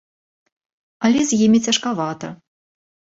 Але і з імі цяжкавата.